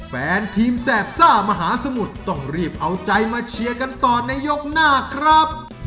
แฟนทีมแสบซ่ามหาสมุทรต้องรีบเอาใจมาเชียร์กันต่อในยกหน้าครับ